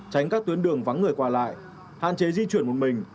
tránh các tuyến đường vắng người qua lại hạn chế di chuyển một mình